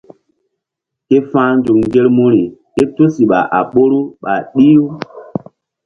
Ke fa̧h nzuk ŋgermuri ké tusiɓa a ɓoru ɓa ɗih-u.